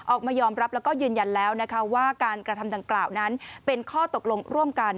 ออกมายอมรับแล้วก็ยืนยันแล้วนะคะว่าการกระทำดังกล่าวนั้นเป็นข้อตกลงร่วมกัน